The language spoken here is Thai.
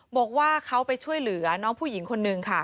บอกว่าเขาไปช่วยเหลือน้องผู้หญิงคนนึงค่ะ